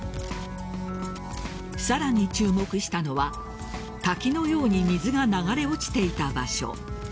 さらに注目したのは滝のように水が流れ落ちていた場所。